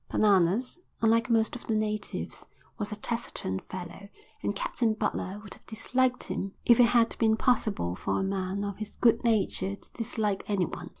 Bananas, unlike most of the natives, was a taciturn fellow and Captain Butler would have disliked him if it had been possible for a man of his good nature to dislike anyone.